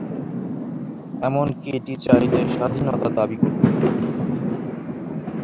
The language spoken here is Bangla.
এমনকি এটি চাইলে স্বাধীনতা দাবী করতে পারে।